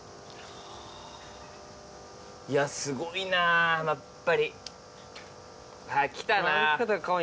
いやすごいなやっぱり。